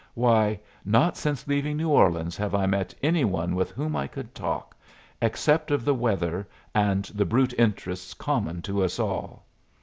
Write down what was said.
Why, not since leaving New Orleans have I met any one with whom I could talk, except of the weather and the brute interests common to us all.